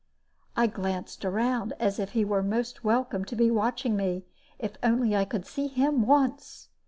I glanced around, as if he were most welcome to be watching me, if only I could see him once.